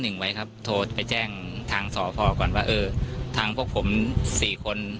หนึ่งไว้ครับโทรไปแจ้งทางสพก่อนว่าเออทางพวกผมสี่คน